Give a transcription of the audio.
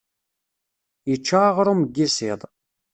Yečča aɣrum n yisiḍ.